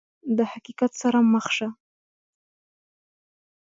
د حقیقت سره مخ شه !